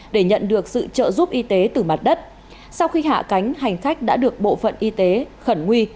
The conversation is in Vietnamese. để nhận được sự trợ giúp y tế từ mặt đất sau khi hạ cánh hành khách đã được bộ phận y tế khẩn nguy